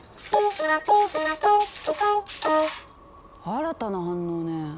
新たな反応ね。